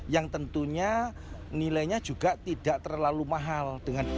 yang tentunya nilainya juga tidak terlalu mahal